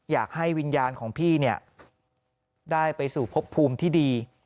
อยากให้วิญญาณของพี่เนี่ยได้ไปสู่พบภูมิที่ดี